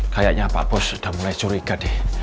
kayaknya pak bos sudah mulai curiga deh